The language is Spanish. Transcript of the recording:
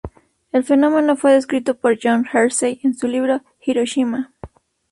El fenómeno fue descrito por John Hersey en su libro Hiroshima.